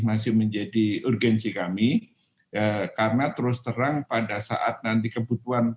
masih menjadi urgensi kami karena terus terang pada saat nanti kebutuhan